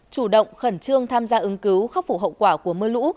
chủ động khẩn trương tham gia ứng cứu khắc phục hậu quả của mưa lũ